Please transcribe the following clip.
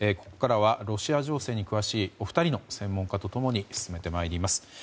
ここからはロシア情勢に詳しいお二人の専門家と共に進めてまいります。